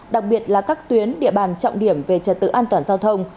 đặc biệt là các tuyến địa bàn trọng điểm về trật tự an toàn giao thông